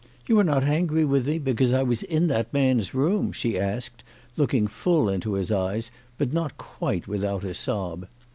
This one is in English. " You are not angry with me because I was in that man's room ?" she asked, looking full into his eyes, but not quite without a sob.